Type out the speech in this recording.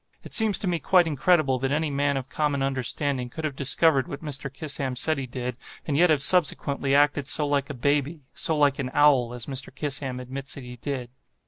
It seems to me quite incredible that any man of common understanding could have discovered what Mr. Kissam says he did, and yet have subsequently acted so like a baby—so like an owl—as Mr. Kissam admits that he did.